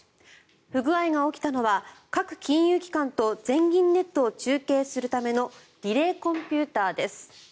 不具合が起きたのは各金融機関と全銀ネットを中継するためのリレーコンピューターです。